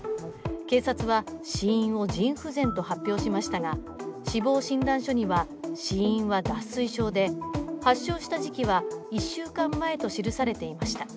警察は死因を腎不全と発表しましたが、死亡診断書には死因は脱水症で発症した時期は１週間前と記されていました。